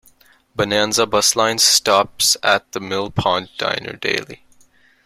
Bonanza Bus Lines stops at the Mill Pond Diner daily.